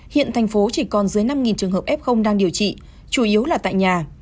hiện thành phố chỉ còn dưới năm trường hợp f đang điều trị chủ yếu là tại nhà